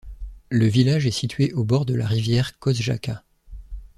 Le village est situé au bord de la rivière Kozjača.